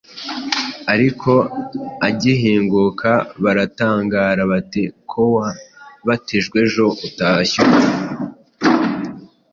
Ariko agihinguka baratangara bati : “Ko wabatijwe ejo utashye ute